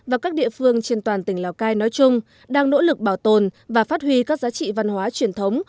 và các địa phương trên toàn tỉnh lào cai nói chung đang nỗ lực bảo tồn và phát huy các giá trị văn hóa truyền thống